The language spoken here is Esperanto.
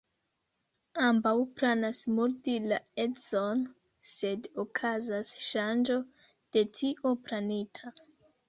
Ambaŭ planas murdi la edzon, sed okazas ŝanĝo de tio planita.